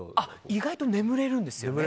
意外と眠れるんですよ。